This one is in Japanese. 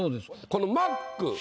この「マック」